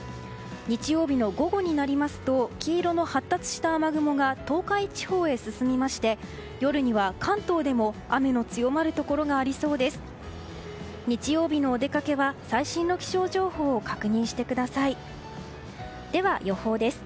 日曜日の午後になりますと黄色の発達した雨雲が東海地方へ進みまして、夜には関東でも雨の強まるところがありそうです。